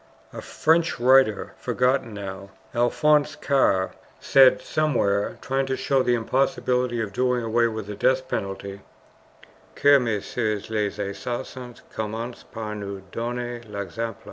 A French writer, forgotten now, Alphonse Karr, said somewhere, trying to show the impossibility of doing away with the death penalty: "Que messieurs les assassins commencent par nous donner l'exemple."